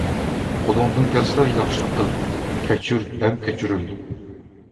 قولۇڭدىن كەلسىلا ياخشىلىق قىل. كەچۈر ھەم كەچۈرۈل.